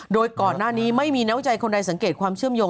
โดยก่อนหน้านี้ไม่มีนักวิจัยคนใดสังเกตความเชื่อมโยง